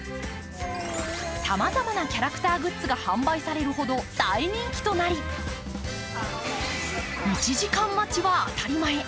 さまざまキャラクターグッズが販売されるほど大人気となり、１時間待ちは当たり前。